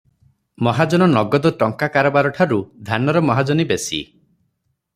ମହାଜନ ନଗଦ ଟଙ୍କା କାରବାର ଠାରୁ ଧାନର ମହାଜନୀ ବେଶି ।